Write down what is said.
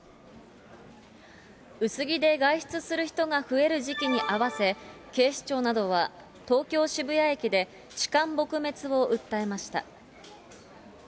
薄着で外出する人が増える時期に合わせ、警視庁などは東京・渋谷駅で痴漢撲滅を訴えました。